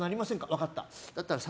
分かった。